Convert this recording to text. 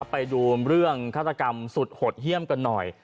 ไปดูเรื่องฆาตกรรมสุดหดเยี่ยมกันหน่อย